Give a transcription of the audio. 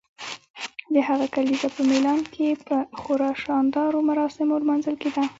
د هغه کلیزه په میلان کې په خورا شاندارو مراسمو لمانځل کیده.